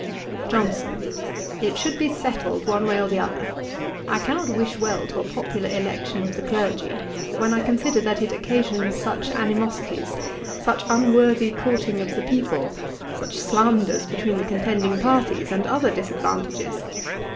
JOHNSON. 'It should be settled one way or other. I cannot wish well to a popular election of the clergy, when I consider that it occasions such animosities, such unworthy courting of the people, such slanders between the contending parties, and other disadvantages.